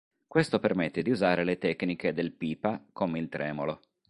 Questo permette di usare le tecniche del "pipa" come il tremolo.